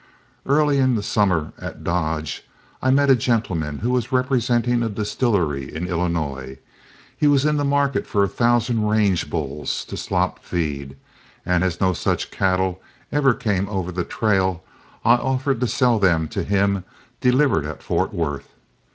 Early in the summer, at Dodge, I met a gentleman who was representing a distillery in Illinois. He was in the market for a thousand range bulls to slop feed, and as no such cattle ever came over the trail, I offered to sell them to him delivered at Fort Worth.